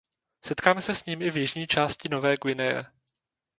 Setkáme se s ním i v jižní části Nové Guineje.